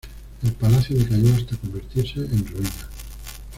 El palacio decayó hasta convertirse en ruinas.